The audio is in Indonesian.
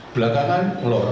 belakangan melot lagi